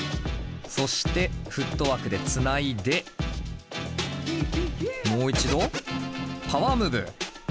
そしてフットワークでつないでもう一度パワームーブ。